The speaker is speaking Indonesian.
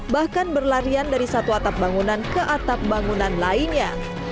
bahkan berlarian dari satu atap bangunan ke atap bangunan lainnya